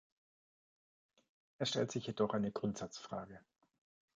Es stellt sich jedoch eine Grundsatzfrage.